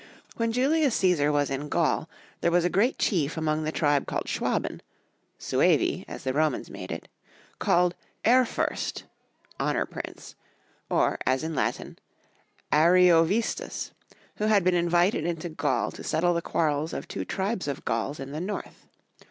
When Julius Caesar was in Gaul, there was a great chief among the tribe called SchAvaben — Suevi, as the Romans made it — called Ehrfurst,* or, as in Latin, Ariovistus, who had been invited into Gaul to settle the quarrels of two tribes of Gauls in the north.